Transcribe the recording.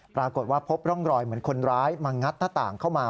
ปรากฏว่าพบร่องรอยเหมือนคนร้ายมางัดหน้าต่างเข้ามา